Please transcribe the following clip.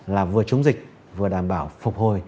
là vừa chống dịch vừa đảm bảo phục hồi